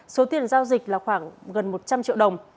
số tiền giao dịch là khoảng gần một trăm linh triệu đồng